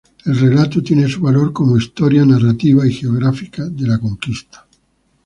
El relato tiene su valor como historia narrativa y geográfica de la conquista.